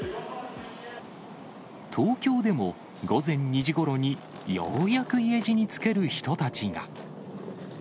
東京でも、午前２時ごろにようやく家路に就ける人たちが。